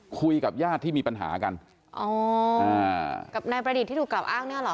คุยกับญาติที่มีปัญหากันอ๋ออ่ากับนายประดิษฐ์ที่ถูกกล่าอ้างเนี่ยเหรอ